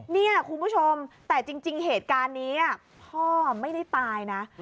เนี่ยคุณผู้ชมแต่จริงเหตุการณ์นี้พ่อไม่ได้ตายนะ